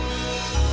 boleh kawan bisa